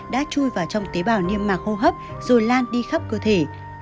đã chui vào trong tế bào niêm mạc hô hấp rồi lan đi khắp cơ thể